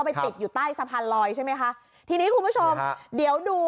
ไปติดอยู่ใต้สะพานลอยใช่ไหมคะทีนี้คุณผู้ชมเดี๋ยวดู